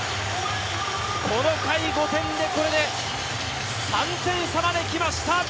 この回５点で、これで３点差まで来ました。